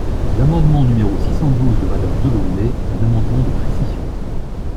L’amendement numéro six cent douze de Madame Delaunay est un amendement de précision.